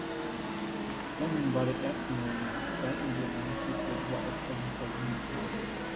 Dunham war der erste Marine seit dem Vietnamkrieg, der diese Auszeichnung verliehen bekam.